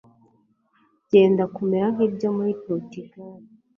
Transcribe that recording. byenda kumera nk'ibyo muri Porutugali.